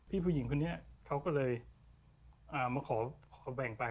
ผู้หญิงคนนี้เขาก็เลยมาขอแบ่งไป